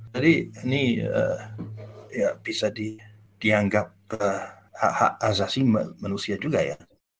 jadi ini bisa dianggap hak hak azasi manusia juga ya